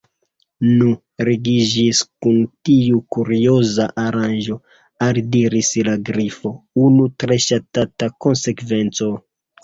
"Nu, ligiĝis kun tiu 'kurioza' aranĝo," aldiris la Grifo, "unu tre ŝatata konsekvenco. »